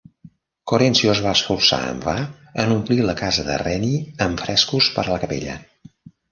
Corenzio es va esforçar en va en omplir la casa de Reni amb frescos per a la capella.